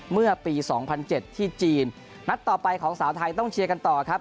เมื่อปี๒๐๐๗ที่จีนนัดต่อไปของสาวไทยต้องเชียร์กันต่อครับ